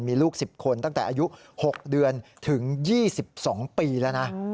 มีลูก๑๐คนตั้งแต่อายุ๖เดือนถึง๒๒ปีแล้วนะ